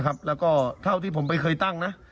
แล้วก็เท่าที่ผมไปเคยตั้งนะ